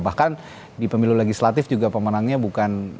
bahkan di pemilu legislatif juga pemenangnya bukan